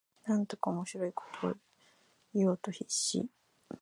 なんとか面白いことを言おうと必死